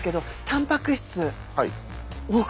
たんぱく質豚肉。